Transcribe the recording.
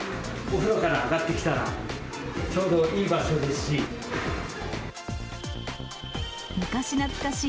お風呂から上がってきたら、ちょうどいい場所ですし。